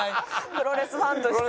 プロレスファンとして？